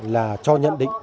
là cho nhận định